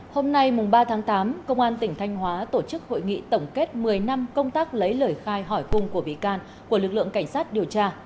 hôm nay ba tháng tám công an tỉnh thanh hóa tổ chức hội nghị tổng kết một mươi năm công tác lấy lời khai hỏi cung của bị can của lực lượng cảnh sát điều tra